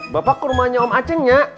bapak ke rumahnya om aceh nya